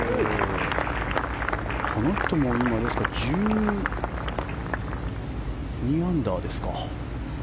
この人も今、１２アンダーですか。